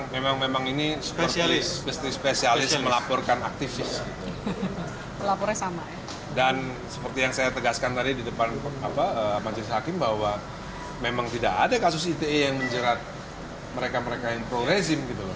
memang tidak ada kasus ite yang menjerat mereka mereka yang pro rezim gitu loh